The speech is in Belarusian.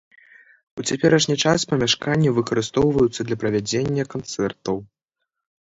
У цяперашні час памяшканні выкарыстоўваюцца для правядзення канцэртаў.